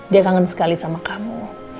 dia kangen sekali sama kamu